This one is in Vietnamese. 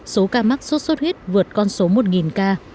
số ca mắc sốt xuất huyết vượt con số một ca